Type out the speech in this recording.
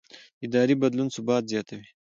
اداري بدلون ثبات زیاتوي